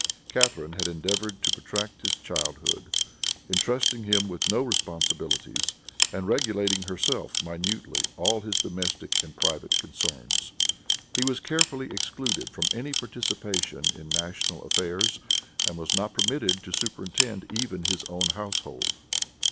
Catharine had endeavored to protract his childhood, entrusting him with no responsibilities, and regulating herself minutely all his domestic and private concerns. He was carefully excluded from any participation in national affairs and was not permitted to superintend even his own household.